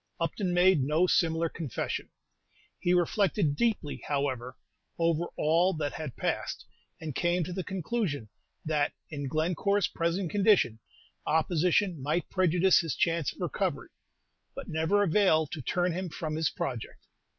Upton made no similar confession. He reflected deeply, however, over all that had passed, and came to the conclusion that, in Glencore's present condition, opposition might prejudice his chance of recovery, but never avail to turn him from his project.